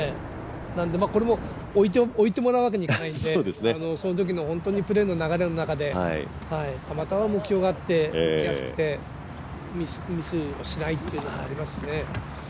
これも置いてもらうわけにはいかないんで、そのときのプレーの流れの中でたまたま目標があって、ミスをしないっていうのがありますね。